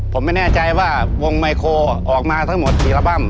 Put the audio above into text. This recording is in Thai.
ผมไม่แน่ใจว่าวงไมโครออกมาทั้งหมดกี่อัลบั้ม